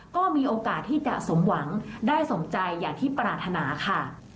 ก็มีโอกาสที่จะสมหวังได้สมใจอย่างที่ปรารถนาค่ะ